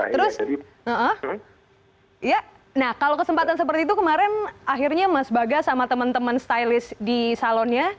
terus ya nah kalau kesempatan seperti itu kemarin akhirnya mas baga sama teman teman stylist di salonnya